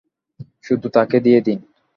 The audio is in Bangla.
শুধু তাকে দিয়ে দিন!